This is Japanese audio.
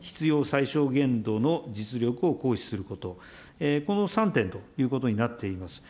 最小限度の実力を行使すること、この３点ということになっています。